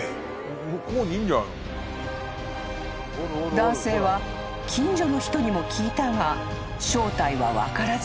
［男性は近所の人にも聞いたが正体は分からず］